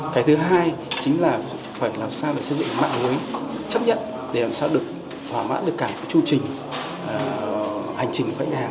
cái thứ hai chính là phải làm sao để xây dựng mạng lưới chấp nhận để làm sao được thỏa mãn được cả cái chương trình hành trình của khách hàng